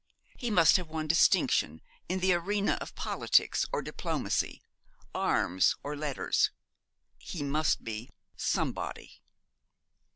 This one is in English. He must have won distinction in the arena of politics or diplomacy, arms or letters. He must be 'somebody.'